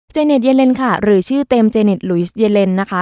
เนสเยเลนค่ะหรือชื่อเต็มเจเน็ตลุยสเยเลนนะคะ